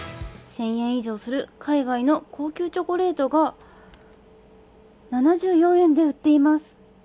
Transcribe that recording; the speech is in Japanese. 以上する海外の高級チョコレートが７４円で売っています。